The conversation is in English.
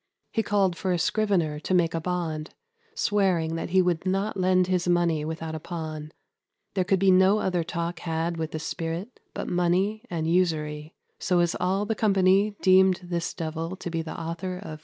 he called for a scrivener to make a bond, swearing that he would not lend his money without a pawne.... There could be no other talke had with this spirit but money and usury, so as all the company deemed this devil to be the author of Covetousnesse....